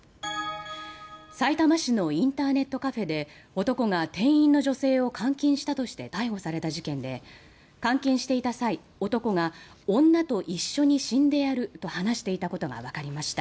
さいたま市のインターネットカフェで男が店員の女性を監禁したとして逮捕された事件で監禁していた際、男が女と一緒に死んでやると話していたことがわかりました。